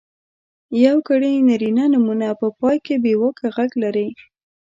یوګړي نرينه نومونه په پای کې بېواکه غږ لري.